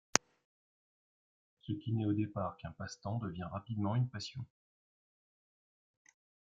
Ce qui n'est au départ qu'un passe-temps devient rapidement une passion.